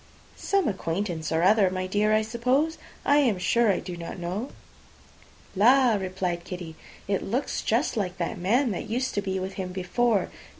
"Some acquaintance or other, my dear, I suppose; I am sure I do not know." "La!" replied Kitty, "it looks just like that man that used to be with him before.